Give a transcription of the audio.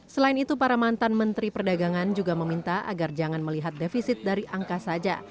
selain itu para mantan menteri perdagangan juga meminta agar jangan melihat defisit dari angka saja